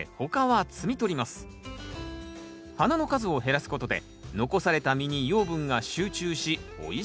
花の数を減らすことで残された実に養分が集中しおいしい